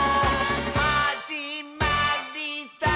「はじまりさー」